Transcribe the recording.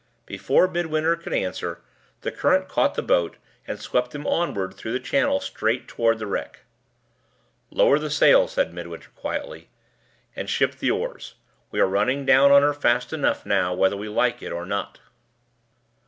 Before Midwinter could answer, the current caught the boat, and swept them onward through the channel straight toward the wreck. "Lower the sail," said Midwinter, quietly, "and ship the oars. We are running down on her fast enough now, whether we like it or not."